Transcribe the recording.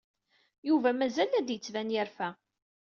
Yuba mazal la d-yettban yerfa.